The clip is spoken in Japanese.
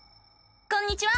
こんにちは！